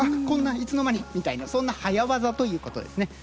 「いつの間に」みたいなそんな早業ということですね。